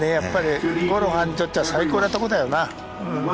ゴルファーにとっては最高のところだよな。